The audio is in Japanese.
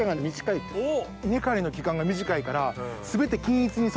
稲刈りの期間が短いから。